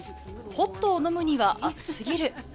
ホットを飲むには暑すぎる。